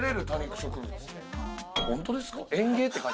本当ですか？